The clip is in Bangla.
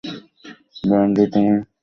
ব্র্যান্ডি, তুমি খুব দুষ্টু নাকি?